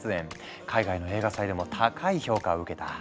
海外の映画祭でも高い評価を受けた。